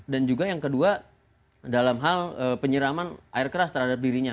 dan juga yang kedua dalam hal penyeraman air keras terhadap dirinya